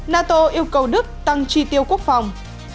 nato yêu cầu đức tăng tri tiêu quốc phòng